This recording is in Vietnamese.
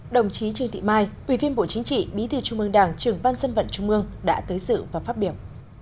đồng chí trương thị mai quý viên bộ chính trị bí thư trung mương đảng trường văn dân vận trung mương đã tới sự và phát biểu